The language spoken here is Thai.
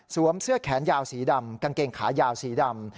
เสื้อแขนยาวสีดำกางเกงขายาวสีดำ